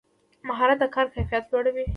مهارت د کار کیفیت لوړوي